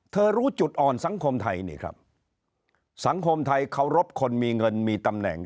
รู้จุดอ่อนสังคมไทยนี่ครับสังคมไทยเคารพคนมีเงินมีตำแหน่ง